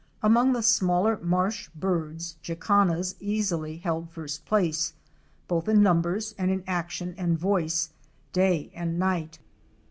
Among the smaller marsh birds, Jacanas" easily held first place, both in numbers and in action and voice, day and night.